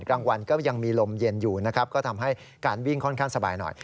กลางวันก็ยังมีลมเย็นอยู่นะครับก็ทำให้การวิ่งค่อนข้างสบายหน่อย